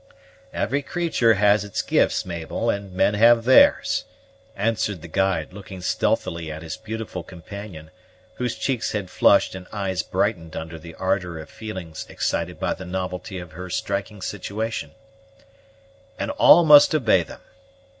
"Every creatur' has its gifts, Mabel, and men have theirs," answered the guide, looking stealthily at his beautiful companion, whose cheeks had flushed and eyes brightened under the ardor of feelings excited by the novelty of her striking situation; "and all must obey them.